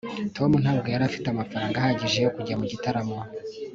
tom ntabwo yari afite amafaranga ahagije yo kujya mu gitaramo